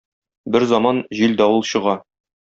Берзаман җил-давыл чыга.